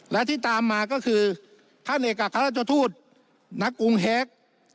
และที่ตามมาก็คือท่านเอกอัครราชทูตนักกรุงเฮก